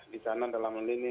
di sana dalam hal ini